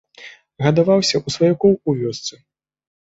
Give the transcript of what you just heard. Гадаваўся ў сваякоў у вёсцы.